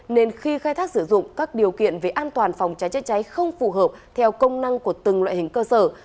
nên khi khai thác sử dụng các điều kiện về an toàn phòng cháy chữa cháy không phù hợp theo công năng của từng loại hình cơ sở